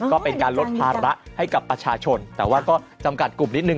ก็เป็นการลดภาระให้กับประชาชนแต่ว่าก็จำกัดกลุ่มนิดนึ